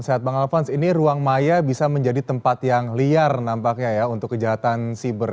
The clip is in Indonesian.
sehat bang alphonse ini ruang maya bisa menjadi tempat yang liar nampaknya ya untuk kejahatan siber